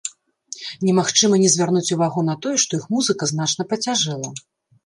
Немагчыма не звярнуць увагу на тое, што іх музыка значна пацяжэла.